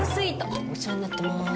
お世話になってます。